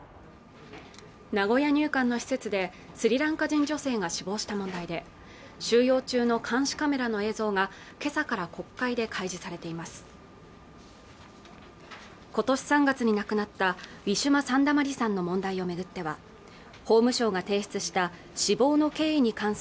名古屋入管の施設でスリランカ人女性が死亡した問題で収容中の監視カメラの映像が今朝から国会で開示されています